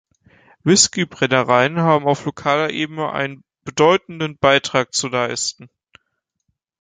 Whiskybrennereien haben auf lokaler Ebene einen bedeutenden Beitrag zu leisten.